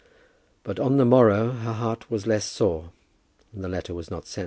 But on the morrow her heart was less sore, and the letter was not sent.